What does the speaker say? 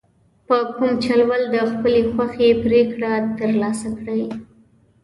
په کوم چل ول د خپلې خوښې پرېکړه ترلاسه کړي.